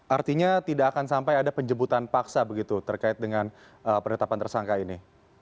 artinya tidak akan sampai ada penjemputan paksa begitu terkait dengan penetapan tersangka ini